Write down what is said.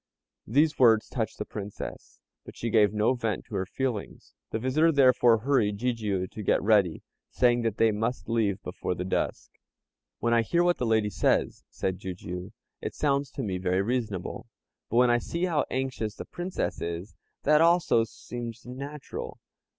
These words touched the Princess, but she gave no vent to her feelings. The visitor, therefore, hurried Jijiu to get ready, saying that they must leave before the dusk. "When I hear what the lady says," said Jijiu, "it sounds to me very reasonable; but when I see how anxious the Princess is, that also seems natural.